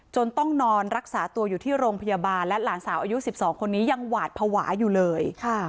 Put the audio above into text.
ต้องนอนรักษาตัวอยู่ที่โรงพยาบาลและหลานสาวอายุ๑๒คนนี้ยังหวาดภาวะอยู่เลย